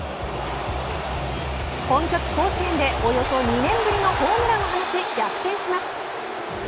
本拠地甲子園でおよそ２年ぶりのホームランを放ち逆転します。